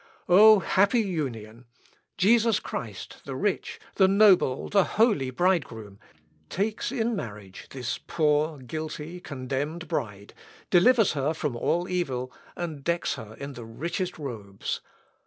O happy union! Jesus Christ the rich, the noble, the holy bridegroom, takes in marriage this poor, guilty, contemned bride, delivers her from all evil, and decks her in the richest robes.